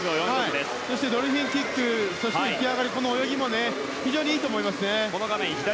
ドルフィンキックそして浮き上がりからの泳ぎも非常にいいと思います。